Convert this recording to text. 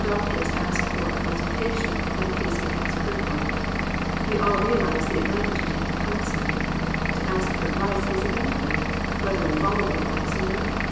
Doc tors ask for a consultation, when a case becomes critical. We all realize the ad vantage of taking counsel. To ask for advice is a benefit, whether we follow the advice or no.